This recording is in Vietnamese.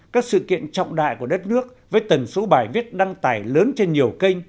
các sự kiện trọng đại của đất nước với tần số bài viết đăng tải lớn trên nhiều kênh